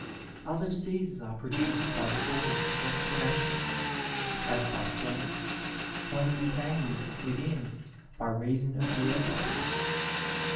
Other diseases are produced by disorders of req>iration ; as by phlegm '^ when detained within by reason of ths air bubbles."